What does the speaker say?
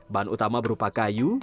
bahan utama berupa kayu